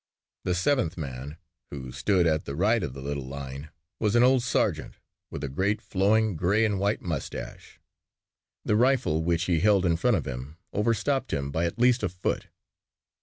The seventh man who stood at the right of the little line was an old sergeant with a great flowing gray and white mustache. The rifle which he held in front of him overtopped him by at least a foot.